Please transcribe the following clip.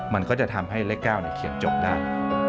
มันก็จะทำให้เลข๙เขียนจบได้